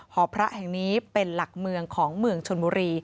หอพระแห่งนี้เป็นหลักเมืองของเมืองชนบุรี